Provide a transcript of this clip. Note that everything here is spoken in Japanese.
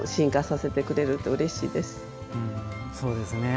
そうですね。